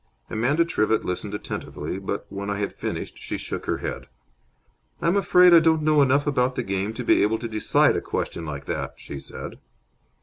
Amanda Trivett listened attentively, but, when I had finished, she shook her head. "I'm afraid I don't know enough about the game to be able to decide a question like that," she said.